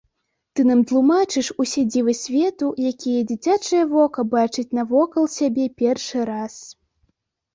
Ты нам тлумачыш усе дзівы свету, якія дзіцячае вока бачыць навокал сябе першы раз.